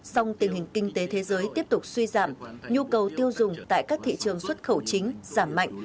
song tình hình kinh tế thế giới tiếp tục suy giảm nhu cầu tiêu dùng tại các thị trường xuất khẩu chính giảm mạnh